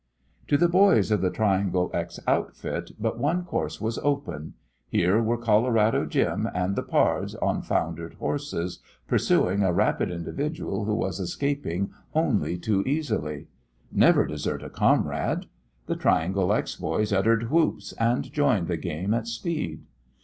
To the boys of the Triangle X outfit but one course was open. Here were Colorado Jim and the pards on foundered horses, pursuing a rapid individual who was escaping only too easily. Never desert a comrade. The Triangle X boys uttered whoops, and joined the game at speed.